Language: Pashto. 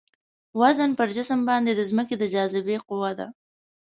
وزن پر جسم باندې د ځمکې د جاذبې قوه ده.